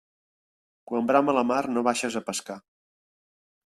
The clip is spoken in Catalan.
Quan brama la mar, no baixes a pescar.